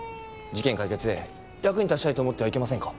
事件解決へ役に立ちたいと思ってはいけませんか？